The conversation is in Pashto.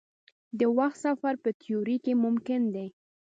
د وخت سفر په تیوري کې ممکن دی.